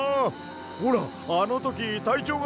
ほらあのときたいちょうが。